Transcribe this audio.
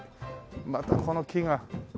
またこの木が。